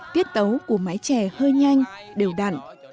tiết tấu của mái chè hơi nhanh đều đặn